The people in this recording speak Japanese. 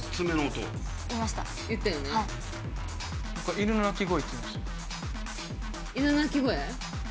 犬の鳴き声？